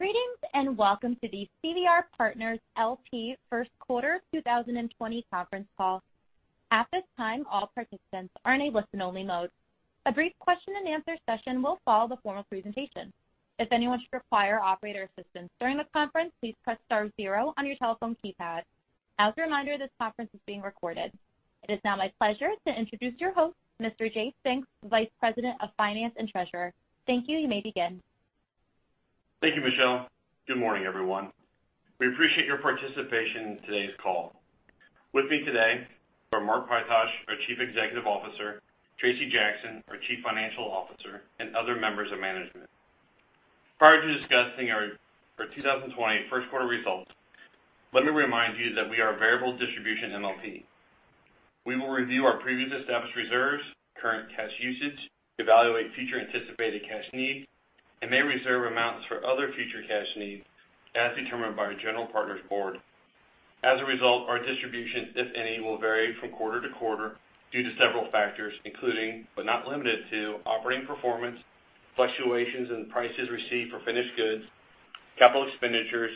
Greetings, and welcome to the CVR Partners LP first quarter 2020 conference call. At this time, all participants are in a listen-only mode. A brief question and answer session will follow the formal presentation. If anyone should require operator assistance during the conference, please press star zero on your telephone keypad. As a reminder, this conference is being recorded. It is now my pleasure to introduce your host, Mr. Jay Finks, Vice President of Finance and Treasurer. Thank you. You may begin. Thank you, Michelle. Good morning, everyone. We appreciate your participation in today's call. With me today are Mark Pytosh, our Chief Executive Officer, Tracy Jackson, our Chief Financial Officer, and other members of management. Prior to discussing our 2020 first quarter results, let me remind you that we are a variable distribution MLP. We will review our previously established reserves, current cash usage, evaluate future anticipated cash needs, and may reserve amounts for other future cash needs as determined by our general partner's board. As a result, our distribution, if any, will vary from quarter to quarter due to several factors, including, but not limited to, operating performance, fluctuations in prices received for finished goods, capital expenditures,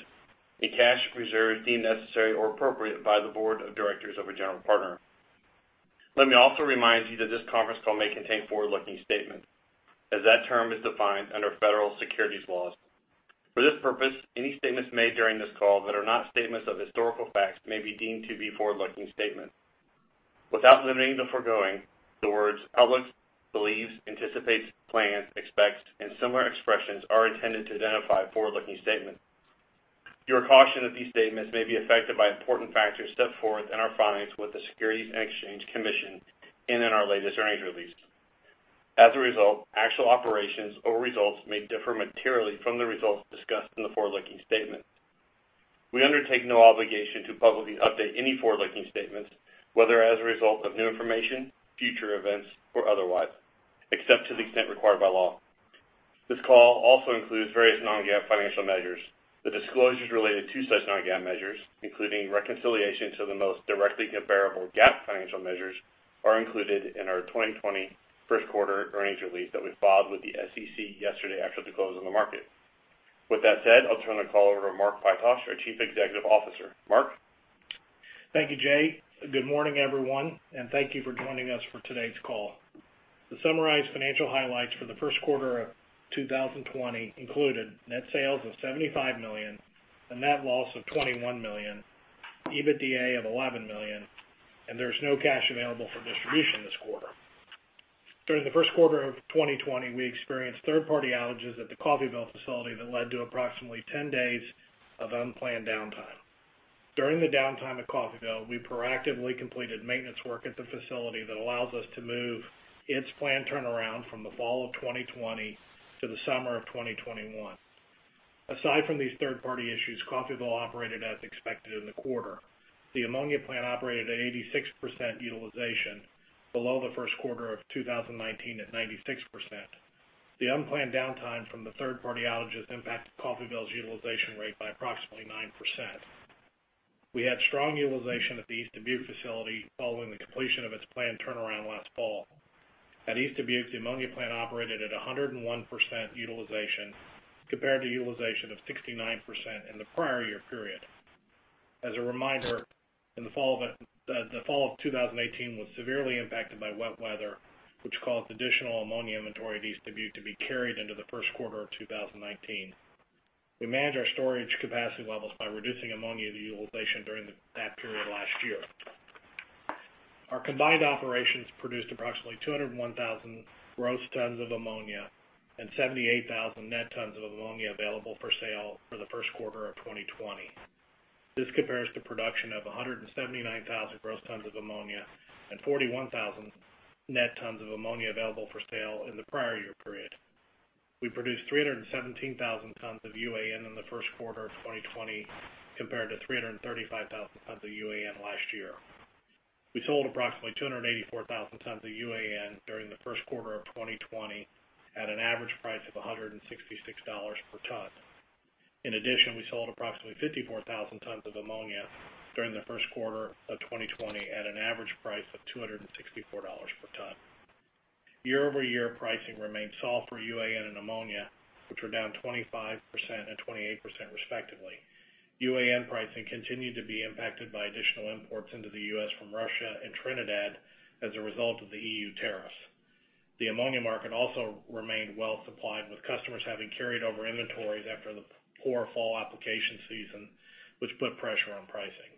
and cash reserves deemed necessary or appropriate by the board of directors of a general partner. Let me also remind you that this conference call may contain forward-looking statements as that term is defined under federal securities laws. For this purpose, any statements made during this call that are not statements of historical facts may be deemed to be forward-looking statements. Without limiting the foregoing, the words public, believes, anticipates, plans, expects, and similar expressions are intended to identify forward-looking statements. You are cautioned that these statements may be affected by important factors set forth in our filings with the Securities and Exchange Commission and in our latest earnings release. As a result, actual operations or results may differ materially from the results discussed in the forward-looking statement. We undertake no obligation to publicly update any forward-looking statements, whether as a result of new information, future events, or otherwise, except to the extent required by law. This call also includes various non-GAAP financial measures. The disclosures related to such non-GAAP measures, including reconciliation to the most directly comparable GAAP financial measures, are included in our 2020 first quarter earnings release that we filed with the SEC yesterday after the close of the market. With that said, I'll turn the call over to Mark Pytosh, our Chief Executive Officer. Mark? Thank you, Jay. Good morning, everyone, thank you for joining us for today's call. The summarized financial highlights for the first quarter of 2020 included net sales of $75 million, a net loss of $21 million, EBITDA of $11 million, there's no cash available for distribution this quarter. During the first quarter of 2020, we experienced third-party outages at the Coffeyville facility that led to approximately 10 days of unplanned downtime. During the downtime at Coffeyville, we proactively completed maintenance work at the facility that allows us to move its planned turnaround from the fall of 2020 to the summer of 2021. Aside from these third-party issues, Coffeyville operated as expected in the quarter. The ammonia plant operated at 86% utilization, below the first quarter of 2019 at 96%. The unplanned downtime from the third-party outages impacted Coffeyville's utilization rate by approximately 9%. We had strong utilization at the East Dubuque facility following the completion of its planned turnaround last fall. At East Dubuque, the ammonia plant operated at 101% utilization compared to utilization of 69% in the prior year period. As a reminder, the fall of 2018 was severely impacted by wet weather, which caused additional ammonia inventory at East Dubuque to be carried into the first quarter of 2019. We managed our storage capacity levels by reducing ammonia utilization during that period last year. Our combined operations produced approximately 201,000 gross tons of ammonia and 78,000 net tons of ammonia available for sale for the first quarter of 2020. This compares to production of 179,000 gross tons of ammonia and 41,000 net tons of ammonia available for sale in the prior year period. We produced 317,000 tons of UAN in the first quarter of 2020 compared to 335,000 tons of UAN last year. We sold approximately 284,000 tons of UAN during the first quarter of 2020 at an average price of $166 per ton. In addition, we sold approximately 54,000 tons of ammonia during the first quarter of 2020 at an average price of $264 per ton. Year-over-year pricing remained soft for UAN and ammonia, which were down 25% and 28% respectively. UAN pricing continued to be impacted by additional imports into the U.S. from Russia and Trinidad as a result of the EU tariffs. The ammonia market also remained well supplied, with customers having carried over inventories after the poor fall application season, which put pressure on pricing.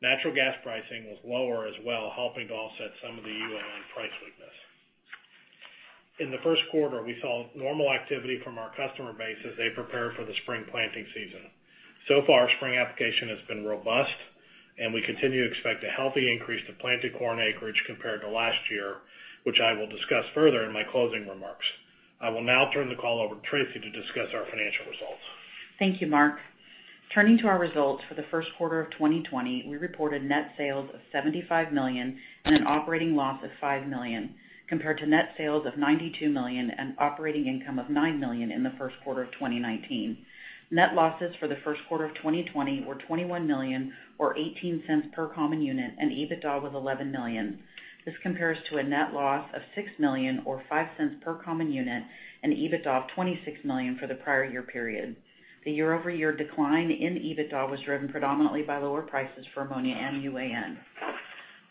Natural gas pricing was lower as well, helping to offset some of the UAN price weakness. In the first quarter, we saw normal activity from our customer base as they prepared for the spring planting season. So far, spring application has been robust, and we continue to expect a healthy increase to planted corn acreage compared to last year, which I will discuss further in my closing remarks. I will now turn the call over to Tracy to discuss our financial results. Thank you, Mark. Turning to our results for the first quarter of 2020, we reported net sales of $75 million and an operating loss of $5 million compared to net sales of $92 million and operating income of $9 million in the first quarter of 2019. Net losses for the first quarter of 2020 were $21 million, or $0.08 per common unit, and EBITDA was $11 million. This compares to a net loss of $6 million, or $0.05 per common unit, and EBITDA of $26 million for the prior year period. The year-over-year decline in EBITDA was driven predominantly by lower prices for ammonia and UAN.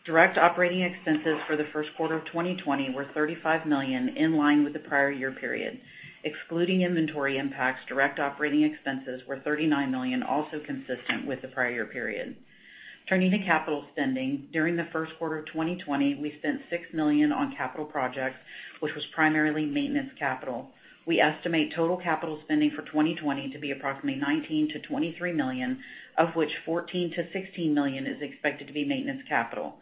Direct operating expenses for the first quarter of 2020 were $35 million, in line with the prior year period. Excluding inventory impacts, direct operating expenses were $39 million, also consistent with the prior year period. Turning to capital spending, during the first quarter of 2020, we spent $6 million on capital projects, which was primarily maintenance capital. We estimate total capital spending for 2020 to be approximately $19 million-$23 million, of which $14 million-$16 million is expected to be maintenance capital.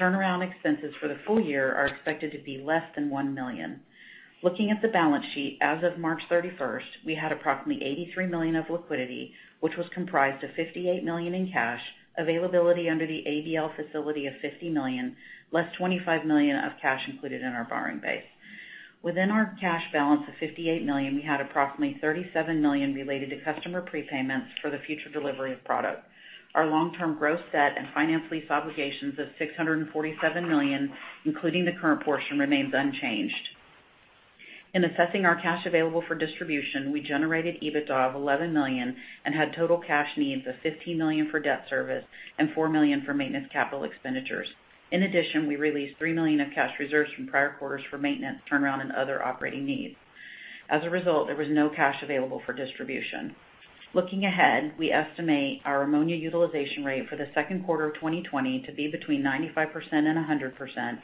Turnaround expenses for the full year are expected to be less than $1 million. Looking at the balance sheet as of March 31st, we had approximately $83 million of liquidity, which was comprised of $58 million in cash, availability under the ABL facility of $50 million, less $25 million of cash included in our borrowing base. Within our cash balance of $58 million, we had approximately $37 million related to customer prepayments for the future delivery of product. Our long-term gross debt and finance lease obligations of $647 million, including the current portion, remains unchanged. In assessing our cash available for distribution, we generated EBITDA of $11 million and had total cash needs of $15 million for debt service and $4 million for maintenance capital expenditures. In addition, we released $3 million of cash reserves from prior quarters for maintenance, turnaround, and other operating needs. As a result, there was no cash available for distribution. Looking ahead, we estimate our ammonia utilization rate for the second quarter of 2020 to be between 95% and 100%.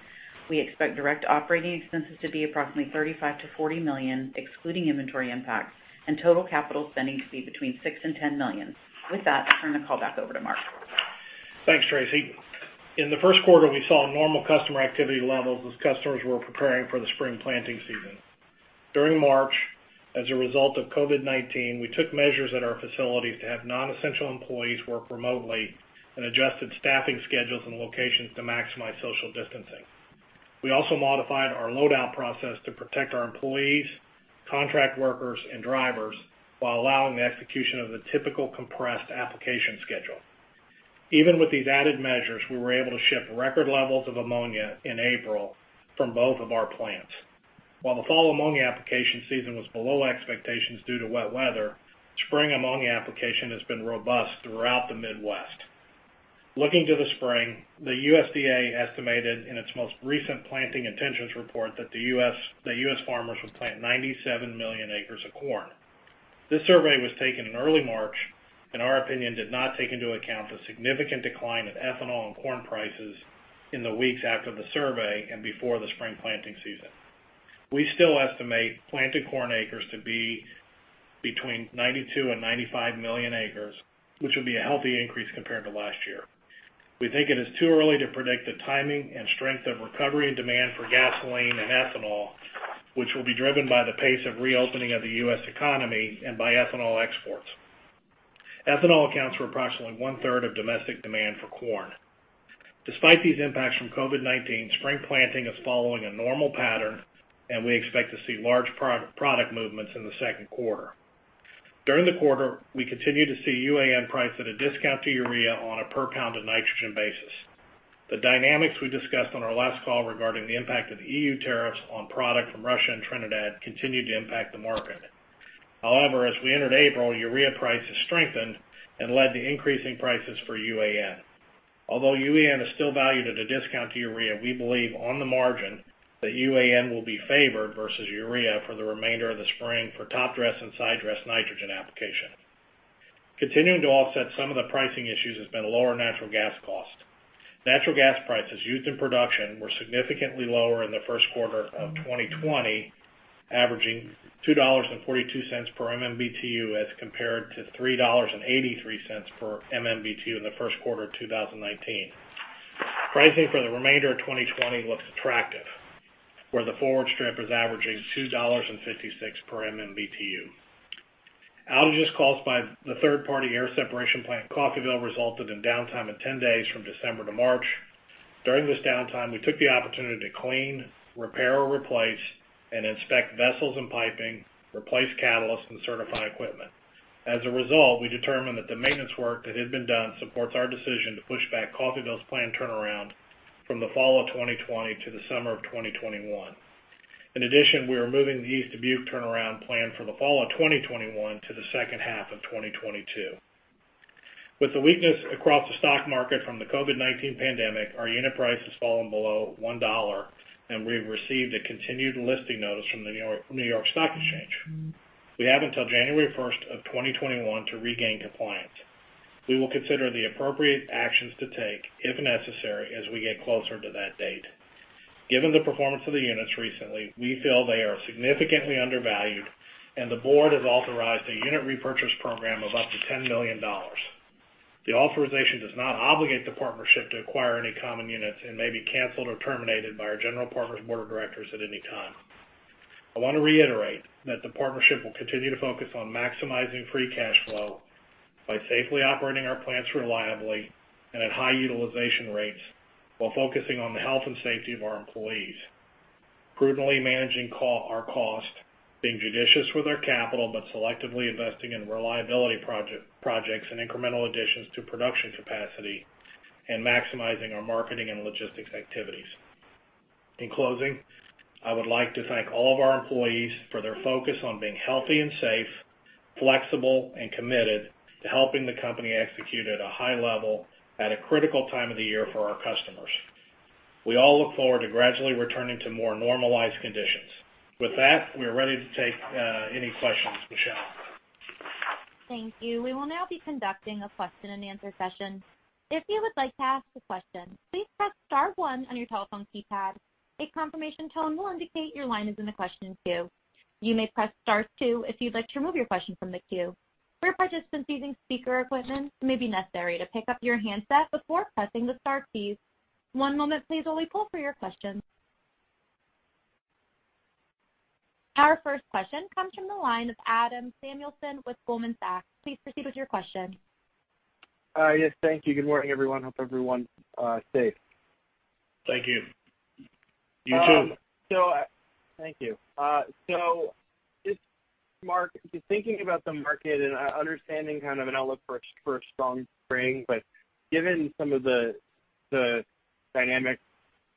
We expect direct operating expenses to be approximately $35 million-$40 million, excluding inventory impact, and total capital spending to be between $6 million and $10 million. With that, I'll turn the call back over to Mark. Thanks, Tracy. In the first quarter, we saw normal customer activity levels as customers were preparing for the spring planting season. During March, as a result of COVID-19, we took measures at our facilities to have non-essential employees work remotely, and adjusted staffing schedules and locations to maximize social distancing. We also modified our load-out process to protect our employees, contract workers, and drivers while allowing the execution of the typical compressed application schedule. Even with these added measures, we were able to ship record levels of ammonia in April from both of our plants. While the fall ammonia application season was below expectations due to wet weather, spring ammonia application has been robust throughout the Midwest. Looking to the spring, the USDA estimated in its most recent planting intentions report that the U.S. farmers would plant 97 million acres of corn. This survey was taken in early March, in our opinion, did not take into account the significant decline of ethanol and corn prices in the weeks after the survey and before the spring planting season. We still estimate planted corn acres to be between 92 and 95 million acres, which will be a healthy increase compared to last year. We think it is too early to predict the timing and strength of recovery and demand for gasoline and ethanol, which will be driven by the pace of reopening of the U.S. economy and by ethanol exports. Ethanol accounts for approximately one-third of domestic demand for corn. Despite these impacts from COVID-19, spring planting is following a normal pattern, and we expect to see large product movements in the second quarter. During the quarter, we continued to see UAN priced at a discount to urea on a per pound of nitrogen basis. The dynamics we discussed on our last call regarding the impact of EU tariffs on product from Russia and Trinidad continue to impact the market. However, as we entered April, urea prices strengthened and led to increasing prices for UAN. Although UAN is still valued at a discount to urea, we believe on the margin that UAN will be favored versus urea for the remainder of the spring for top dress and side dress nitrogen application. Continuing to offset some of the pricing issues has been lower natural gas cost. Natural gas prices used in production were significantly lower in the first quarter of 2020, averaging $2.42 per MMBtu as compared to $3.83 per MMBtu in the first quarter of 2019. Pricing for the remainder of 2020 looks attractive, where the forward strip is averaging $2.56 per MMBtu. Outages caused by the third-party air separation plant in Coffeyville resulted in downtime of 10 days from December to March. During this downtime, we took the opportunity to clean, repair or replace, and inspect vessels and piping, replace catalysts, and certify equipment. As a result, we determined that the maintenance work that had been done supports our decision to push back Coffeyville's plant turnaround from the fall of 2020 to the summer of 2021. In addition, we are moving the East Dubuque turnaround plan from the fall of 2021 to the second half of 2022. With the weakness across the stock market from the COVID-19 pandemic, our unit price has fallen below $1, and we have received a continued listing notice from the New York Stock Exchange. We have until January 1st of 2021 to regain compliance. We will consider the appropriate actions to take, if necessary, as we get closer to that date. Given the performance of the units recently, we feel they are significantly undervalued, and the board has authorized a unit repurchase program of up to $10 million. The authorization does not obligate the partnership to acquire any common units and may be canceled or terminated by our general partner's board of directors at any time. I want to reiterate that the partnership will continue to focus on maximizing free cash flow by safely operating our plants reliably and at high utilization rates while focusing on the health and safety of our employees, prudently managing our costs, being judicious with our capital, but selectively investing in reliability projects and incremental additions to production capacity, and maximizing our marketing and logistics activities. In closing, I would like to thank all of our employees for their focus on being healthy and safe, flexible, and committed to helping the company execute at a high level at a critical time of the year for our customers. We all look forward to gradually returning to more normalized conditions. With that, we are ready to take any questions, Michelle. Thank you. We will now be conducting a question and answer session. If you would like to ask a question, please press star one on your telephone keypad. A confirmation tone will indicate your line is in the question queue. You may press star two if you'd like to remove your question from the queue. For participants using speaker equipment, it may be necessary to pick up your handset before pressing the star keys. One moment please, while we pull for your questions. Our first question comes from the line of Adam Samuelson with Goldman Sachs. Please proceed with your question. Yes, thank you. Good morning, everyone. Hope everyone's safe. Thank you. You too. Thank you. Just, Mark, thinking about the market and understanding kind of an outlook for a strong spring, but given some of the dynamics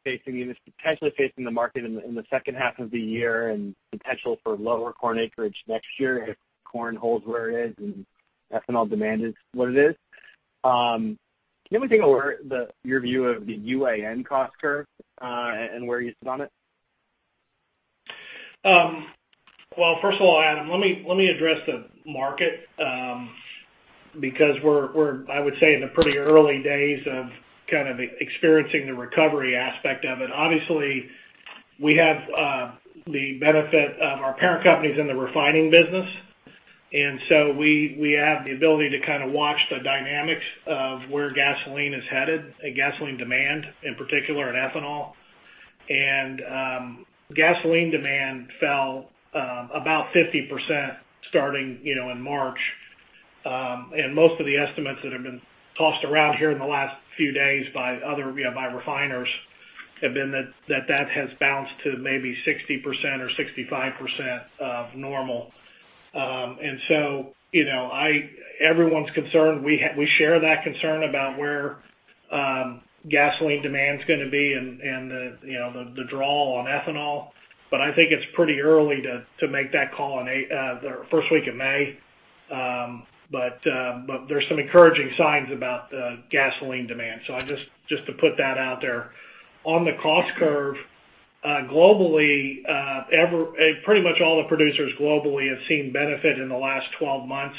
potentially facing the market in the second half of the year and potential for lower corn acreage next year, if corn holds where it is and ethanol demand is what it is. Can you maybe take over your view of the UAN cost curve, and where you sit on it? Well, first of all, Adam, let me address the market, because we're, I would say, in the pretty early days of kind of experiencing the recovery aspect of it. Obviously, we have the benefit of our parent companies in the refining business, and so we have the ability to kind of watch the dynamics of where gasoline is headed, and gasoline demand, in particular in ethanol. Gasoline demand fell about 50% starting in March. Most of the estimates that have been tossed around here in the last few days by refiners have been that that has bounced to maybe 60% or 65% of normal. Everyone's concerned. We share that concern about where gasoline demand's gonna be and the draw on ethanol. I think it's pretty early to make that call on the first week of May. There's some encouraging signs about the gasoline demand. Just to put that out there. On the cost curve, pretty much all the producers globally have seen benefit in the last 12 months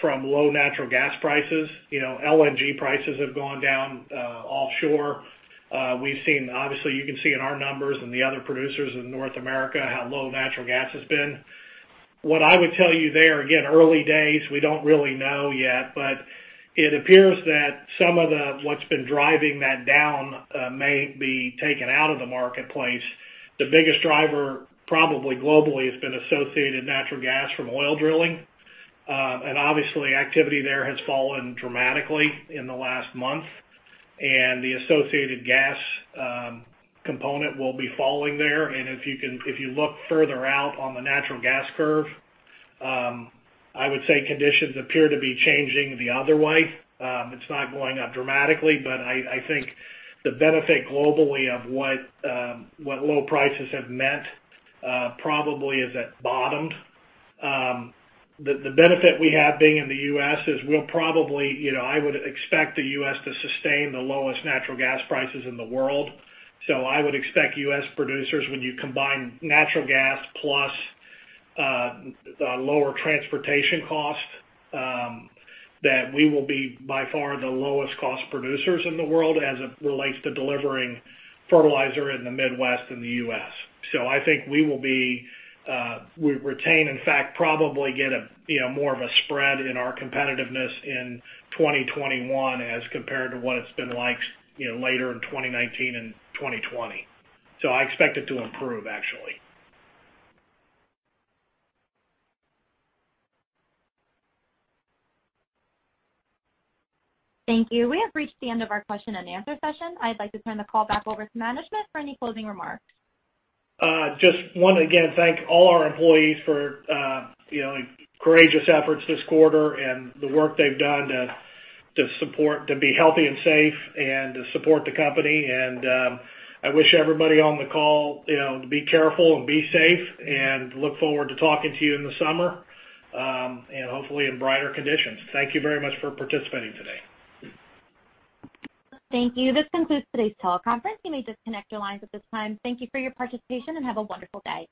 from low natural gas prices. LNG prices have gone down offshore. Obviously, you can see in our numbers and the other producers in North America how low natural gas has been. What I would tell you there, again, early days, we don't really know yet, but it appears that some of what's been driving that down may be taken out of the marketplace. The biggest driver probably globally has been associated natural gas from oil drilling. Obviously, activity there has fallen dramatically in the last month. The associated gas component will be falling there. If you look further out on the natural gas curve, I would say conditions appear to be changing the other way. It's not going up dramatically, but I think the benefit globally of what low prices have meant probably is it bottomed. The benefit we have being in the U.S. is we'll probably, I would expect the U.S. to sustain the lowest natural gas prices in the world. I would expect U.S. producers, when you combine natural gas plus the lower transportation cost, that we will be by far the lowest cost producers in the world as it relates to delivering fertilizer in the Midwest in the U.S. I think we retain, in fact, probably get more of a spread in our competitiveness in 2021 as compared to what it's been like later in 2019 and 2020. I expect it to improve, actually. Thank you. We have reached the end of our question and answer session. I'd like to turn the call back over to management for any closing remarks. Just want to, again, thank all our employees for courageous efforts this quarter and the work they've done to be healthy and safe and to support the company. I wish everybody on the call to be careful and be safe, and look forward to talking to you in the summer, and hopefully in brighter conditions. Thank you very much for participating today. Thank you. This concludes today's teleconference. You may disconnect your lines at this time. Thank you for your participation, and have a wonderful day.